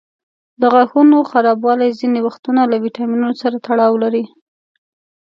د غاښونو خرابوالی ځینې وختونه له ویټامینونو سره تړاو لري.